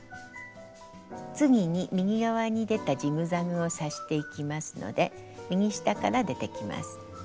次に右側に出たジグザグを刺していきますので右下から出てきます。